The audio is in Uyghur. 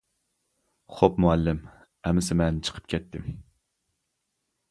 -خوپ مۇئەللىم، ئەمىسە مەن چىقىپ كەتتىم.